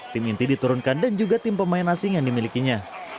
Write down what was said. tim inti diturunkan dan juga tim pemain asing yang dimilikinya